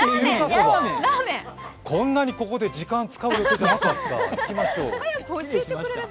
こんなにここで時間使う予定じゃなかった。